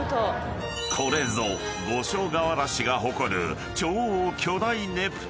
［これぞ五所川原市が誇る超巨大ねぷた］